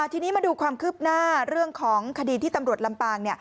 ทีนี้มาดูความคืบหน้าเรื่องของคดีที่ตำรวจลำปาง